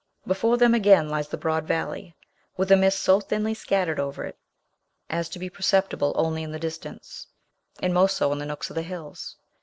Before them, again, lies the broad valley, with a mist so thinly scattered over it as to be perceptible only in the distance, and most so in the nooks of the hills.